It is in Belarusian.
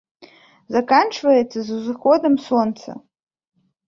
Заканчваецца з узыходам сонца